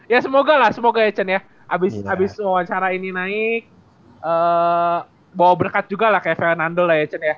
ya semoga lah semoga ya cun ya abis wawancara ini naik bawa berkat juga lah kayak fernando lah ya cun ya